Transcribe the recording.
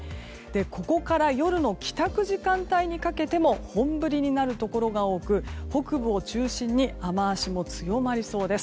ここから夜の帰宅時間帯にかけても本降りになるところが多く北部を中心に雨脚も強まりそうです。